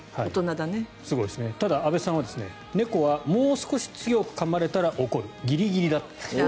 ただ、阿部さんは猫はもう少し強くかまれたら怒るギリギリだった。